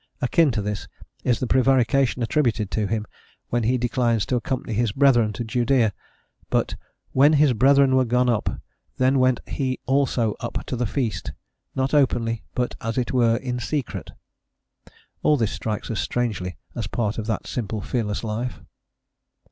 Akin to this is the prevarication attributed to him, when he declines to accompany his brethren to Judaea, but "when his brethren were gone up then went he also up to the feast, not openly but as it were in secret." All this strikes us strangely as part of that simple, fearless life.